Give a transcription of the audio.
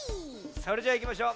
それじゃあいきましょう。